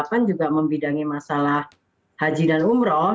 masyarakat kebijakan juga membidangi masalah haji dan umroh